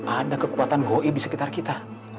ada kekuatan goib di sekitar kita